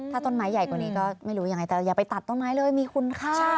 ถ้าต้นไม้ใหญ่กว่านี้ก็ไม่รู้ยังไงแต่อย่าไปตัดต้นไม้เลยมีคุณค่า